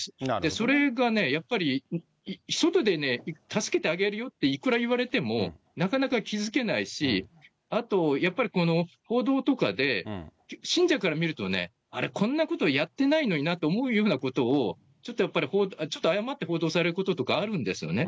それがね、やっぱり外で助けてあげるよっていくら言われても、なかなか気付けないし、あと、やっぱりこの報道とかで、信者から見るとね、あれ、こんなことやってないのになと思うようなことを、ちょっとやっぱり、誤って報道されることとかあるんですよね。